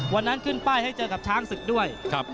วันนั้นขึ้นป้ายให้เจอกับช้างศึกด้วย